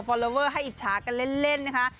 พอลอเวอร์ให้อิจฉากันเล่นนะคะ